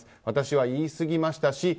私は言いすぎましたし